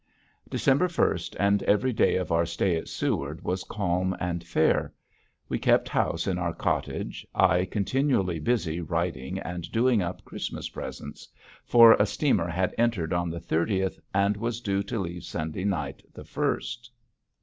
December first and every day of our stay at Seward was calm and fair. We kept house in our cottage, I continually busy writing and doing up Christmas presents, for a steamer had entered on the thirtieth and was due to leave Sunday night, the first.